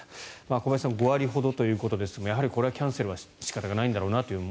小林さん５割ほどということですがやはり、これはキャンセルは仕方がないんだろうなと。